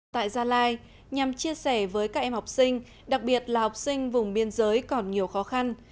tại gia lai nhằm chia sẻ với các em học sinh đặc biệt là học sinh vùng biên giới còn nhiều khó khăn